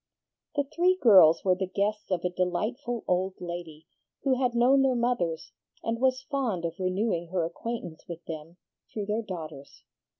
The three girls were the guests of a delightful old lady, who had known their mothers and was fond of renewing her acquaintance with them through their daughters.